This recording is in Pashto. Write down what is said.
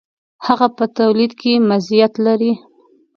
هغه په تولید کې مزیت لري.